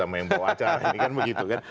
membawa acara ini kan begitu kan